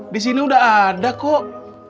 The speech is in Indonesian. disini udah ada kok